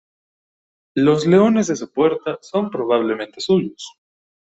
Los leones de su puerta son probablemente suyos.